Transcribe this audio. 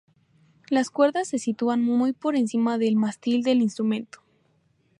Las cuerdas se sitúan muy por encima del mástil del instrumento.